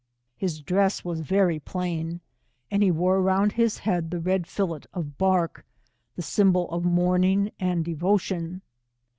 His dress was very plain, and he wore around his head the red fillet of bark, the symbol of mourning and devotion.